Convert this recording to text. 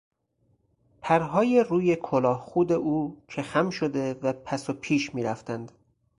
پرهای روی کلاهخود او که خم شده و پس و پیش میرفتند